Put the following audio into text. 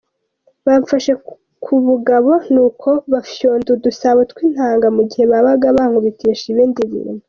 "Bamfashe ku bugabo nuko bapfyonda udusabo tw'intanga mu gihe babaga bankubitisha ibindi bintu.